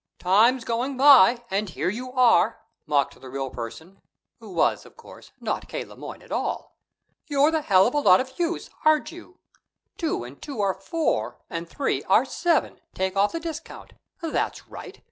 "Time's going by, and here you are!" mocked the real person who was, of course, not K. Le Moyne at all. "You're the hell of a lot of use, aren't you? Two and two are four and three are seven take off the discount. That's right.